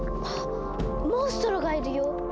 あっモンストロがいるよ！